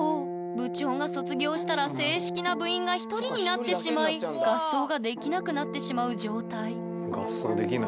部長が卒業したら正式な部員が１人になってしまい合奏ができなくなってしまう状態。